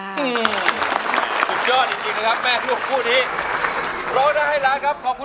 สุดยอดจริงเลยรับ